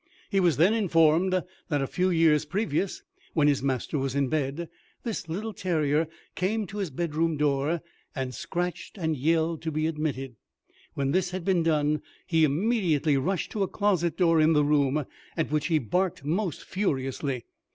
He was then informed that a few years previous, when his master was in bed, this little terrier came to his bedroom door, and scratched and yelled to be admitted. When this had been done, he immediately rushed to a closet door in the room, at which he barked most furiously.